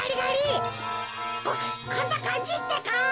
ここんなかんじってか？